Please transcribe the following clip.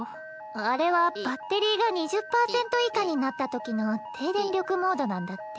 あれはバッテリーが２０％以下になったときの低電力モードなんだって。